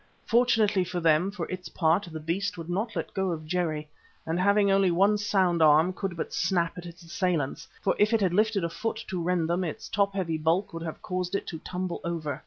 Fortunately for them, for its part, the beast would not let go of Jerry, and having only one sound arm, could but snap at its assailants, for if it had lifted a foot to rend them, its top heavy bulk would have caused it to tumble over.